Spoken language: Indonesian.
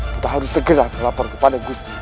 kita harus segera kelaparan kepada gusti ipadu